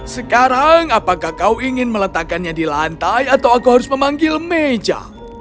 sekarang apakah kau ingin meletakkannya di lantai atau aku harus memanggil meja